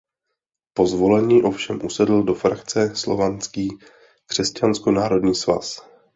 Po zvolení ovšem usedl do frakce Slovanský křesťansko národní svaz.